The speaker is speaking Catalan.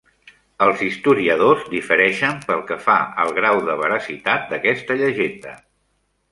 Els historiadors difereixen pel que fa al grau de veracitat d'aquesta llegenda.